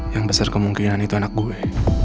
yang besar kemungkinan itu anak gue